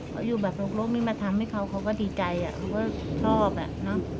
เขาอยู่แบบรกนี่มาทำให้เขาเขาก็ดีใจเขาก็ชอบอ่ะเนอะ